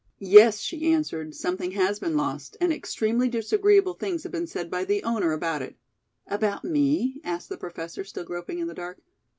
"Yes," she answered; "something has been lost, and extremely disagreeable things have been said by the owner about it." "About me?" asked the Professor, still groping in the dark.